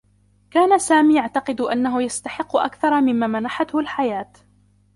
كان سامي يعتقد أنّه يستحقّ أكثر ممّا منحته الحياة.